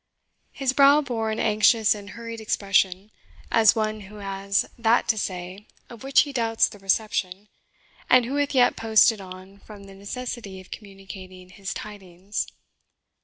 His brow bore an anxious and hurried expression, as one who has that to say of which he doubts the reception, and who hath yet posted on from the necessity of communicating his tidings.